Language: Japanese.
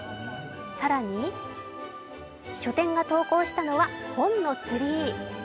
更に書店が投稿したのは本のツリー。